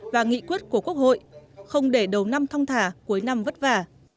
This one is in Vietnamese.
và nghị quyết của quốc hội không để đầu năm thong thả cuối năm vất vả